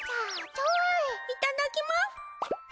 いただきます。